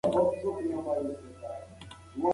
دا فرصت راتلونکی بدلولای شي.